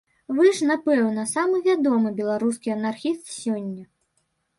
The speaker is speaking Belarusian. Вы ж, напэўна, самы вядомы беларускі анархіст сёння.